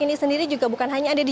ini sendiri juga bukan hanya ada di